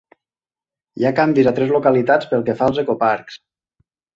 Hi ha canvis a tres localitats pel que fa als ecoparcs.